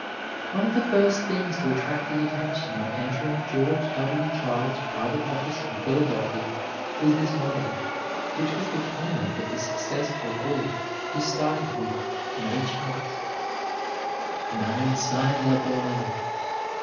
One of the first things to attract the attention on entering George W. Childs' private office in Philadelphia was this motto, which was the key note of the success of a boy who started with "no chance": "Nihil sine labore."